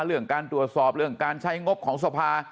เรื่องการตรวจสอบเรื่องการใช้งบของสภา